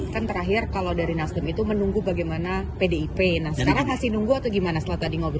kami akan ajukan usul